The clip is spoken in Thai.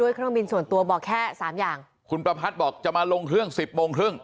เครื่องบินส่วนตัวบอกแค่สามอย่างคุณประพัทธ์บอกจะมาลงเครื่องสิบโมงครึ่ง